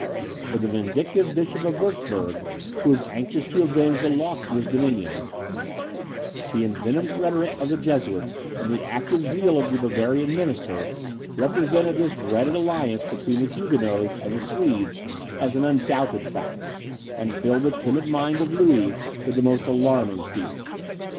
But the vindictive Bishop of Wurtzburg, who was anxious to avenge the loss of his dominions, the envenomed rhetoric of the Jesuits and the active zeal of the Bavarian minister, represented this dreaded alliance between the Huguenots and the Swedes as an undoubted fact, and filled the timid mind of Louis with the most alarming fears.